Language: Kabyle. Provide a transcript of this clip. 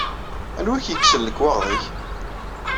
Anwa i k-yekksen lekwaɣeḍ-ik?